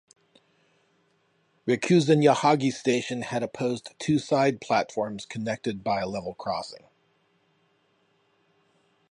Rikuzen-Yahagi Station had two opposed side platforms connected by a level crossing.